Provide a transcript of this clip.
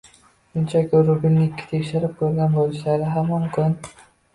shunchaki rubilnikni tekshirib ko‘rgan bo‘lishlari ham mumkin.